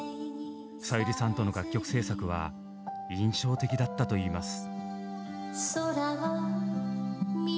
さゆりさんとの楽曲制作は印象的だったと言います。